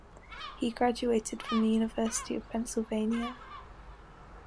He graduated from the University of Pennsylvania.